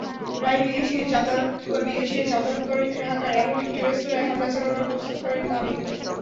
প্রায়ই বিদেশিরা যাতায়াত করেন—ঢাকার এমন একটি রেস্তোরাঁয় হামলা চালানোর প্রস্তাব করেন তামিম।